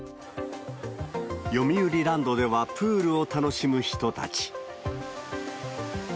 よみうりランドでは、プールを楽しむ人たち。